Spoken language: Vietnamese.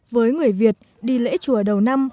với người việt đi lễ chùa đầu năm